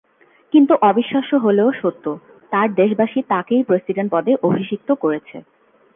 কিন্তু অবিশ্বাস্য হলেও সত্য, তাঁর দেশবাসী তাঁকেই প্রেসিডেন্ট পদে অভিষিক্ত করেছে।